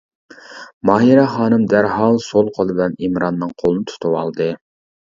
ماھىرە خانىم دەرھال سول قولى بىلەن ئىمراننىڭ قولىنى تۇتۇۋالدى.